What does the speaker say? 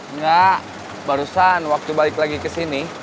enggak barusan waktu balik lagi kesini